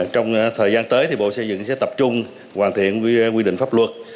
trong thời gian tới thì bộ xây dựng sẽ tập trung hoàn thiện quy định pháp luật